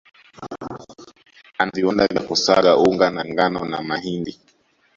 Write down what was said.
Ana viwanda vya kusaga unga wa ngano na mahindi